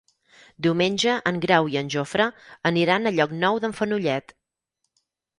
Diumenge en Grau i en Jofre aniran a Llocnou d'en Fenollet.